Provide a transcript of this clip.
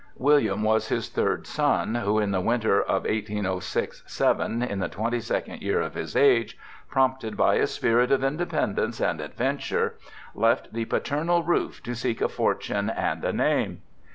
William was his third son, who, in the winter of 1806 7, in the 22nd year of his age, prompted by a spirit of independence and adventure, left the paternal roof to seek a fortune and a name.